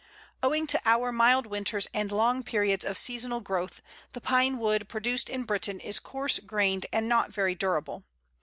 Owing to our mild winters and long periods of seasonal growth, the Pine wood produced in Britain is coarse grained and not very durable.